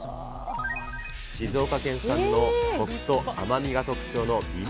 静岡県産のこくと甘みが特徴のびみ